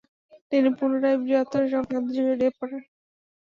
তিনি পুনরায় বৃহত্তর সংঘাতে জড়িয়ে পরেন।